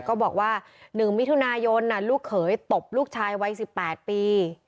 ก็บอกว่า๑มิถุนายนลูกเขยตบลูกชายวัย๑๘ปี